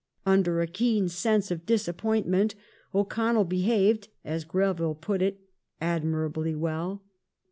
Under a keen sense of disappointment O'Connell behaved, as Greville put it, " admirably well